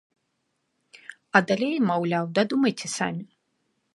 А далей, маўляў, дадумайце самі.